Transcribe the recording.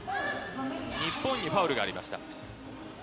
日本にファウルがありました。